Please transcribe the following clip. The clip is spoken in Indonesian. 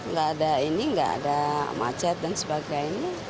nggak ada ini nggak ada macet dan sebagainya